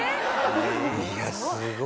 いやすごい２人。